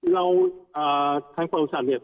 เราทางบริษัท